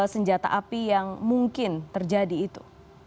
senjata api yang mungkin terjadi itu